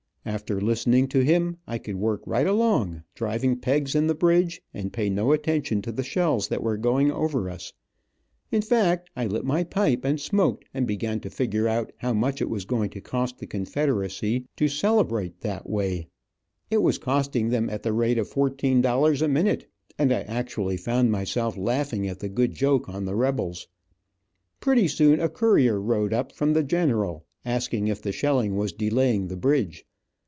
After listening to him, I could work right along, driving pegs in the bridge, and pay no attention to the shells that were going over us. In fact, I lit my pipe and smoked, and began to figure how much it was going to cost the Confederacy to "celebrate" that way. It was costing them at the rate of fourteen dollars a minute, and I actually found myself laughing at the good joke on the rebels. Pretty soon a courier rode up, from the general, asking if the shelling was delaying the bridge.